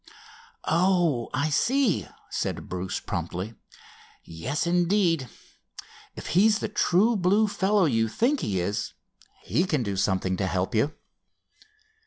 "Oh, I see," said Bruce promptly. "Yes, indeed. If he's the true blue fellow you think he is he can do something to help you."